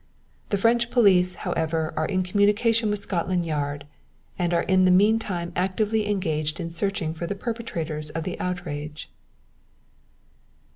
The French police, however, are in communication with Scotland Yard, and are in the mean time actively engaged in searching for the perpetrators of the outrage."